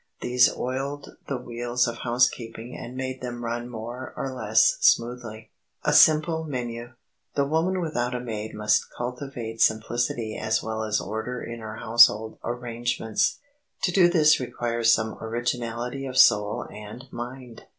These oiled the wheels of housekeeping and made them run more or less smoothly. [Sidenote: A SIMPLE MENU] The woman without a maid must cultivate simplicity as well as order in her household arrangements. To do this requires some originality of soul and mind.